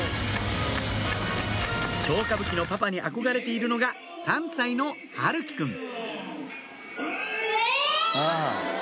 超歌舞伎のパパに憧れているのが３歳の陽喜くんエイっ！